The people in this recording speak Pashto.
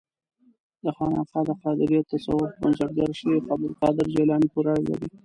دا خانقاه د قادریه تصوف بنسټګر شیخ عبدالقادر جیلاني پورې اړه لري.